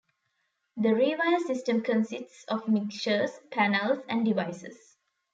The ReWire system consists of "Mixers", "Panels", and "Devices".